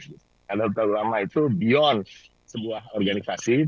nadal tualama itu beyond sebuah organisasi